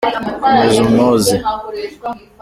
komeza umwoze.